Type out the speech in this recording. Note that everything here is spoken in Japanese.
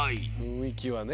雰囲気はね。